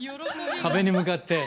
壁に向かって。